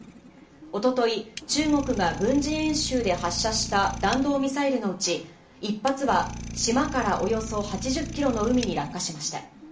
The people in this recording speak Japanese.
おととい、中国が軍事演習で発射した弾道ミサイルのうち、１発は島からおよそ８０キロの海に落下しました。